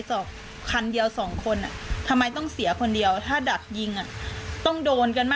แล้วมารู้อีกทีก็คือตอนเขาเสียไปแล้ว